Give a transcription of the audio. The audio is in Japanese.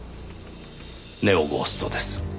ネオゴーストです。